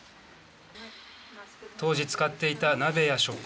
当時使っていた鍋や食器